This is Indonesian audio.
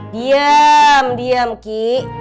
diam diam kiki